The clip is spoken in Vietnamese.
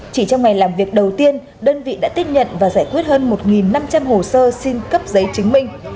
chỉ trong ngày làm việc đầu tiên đơn vị đã tiếp nhận và giải quyết hơn một năm trăm linh hồ sơ xin cấp giấy chứng minh